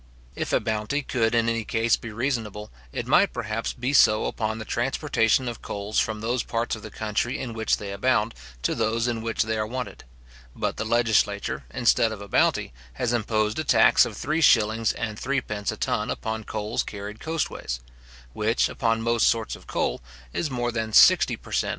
If a bounty could in any case be reasonable, it might perhaps be so upon the transportation of coals from those parts of the country in which they abound, to those in which they are wanted. But the legislature, instead of a bounty, has imposed a tax of three shillings and threepence a ton upon coals carried coastways; which, upon most sorts of coal, is more than sixty per cent.